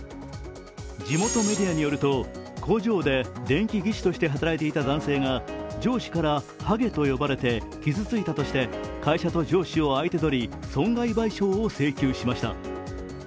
地元メディアによると工場で電気技師として働いていた男性が上司から「はげ」と呼ばれて傷ついたとして会社と上司を相手取り損害賠償を請求しました。